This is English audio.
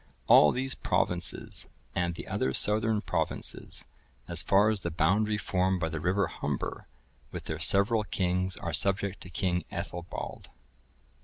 All these provinces, and the other southern provinces, as far as the boundary formed by the river Humber, with their several kings, are subject to King Ethelbald.